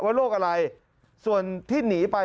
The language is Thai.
โรคอะไรส่วนที่หนีไป